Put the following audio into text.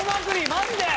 マジで？